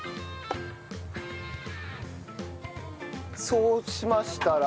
そうしましたら？